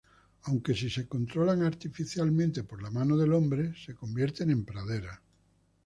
Aunque si se controlan artificialmente por la mano del hombre, se convierten en praderas.